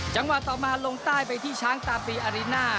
จังหวะต่อมาลงใต้ไปที่ช้างตาปีอาริน่า